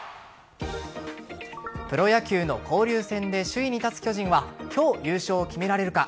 プロ野球の交流戦で首位に立つ巨人は今日、優勝を決められるか。